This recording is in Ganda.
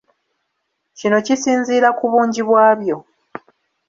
Kino kisinziira ku bungi bwabyo.